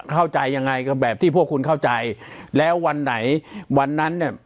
เข้าใจยังไงก็แบบที่พวกคุณเข้าใจแล้ววันไหนวันนั้นเนี่ย